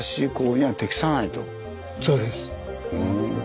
そうです。